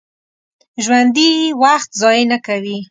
ژوندي وخت ضایع نه کوي